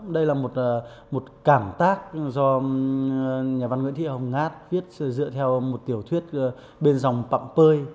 đây là một cảm tác do nhà văn nguyễn thị hồng ngát viết dựa theo một tiểu thuyết bên dòng bậm pơi